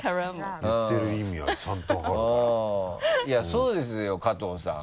そうですよ加藤さん。